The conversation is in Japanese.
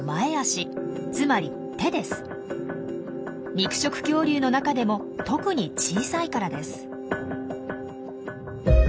肉食恐竜の中でも特に小さいからです。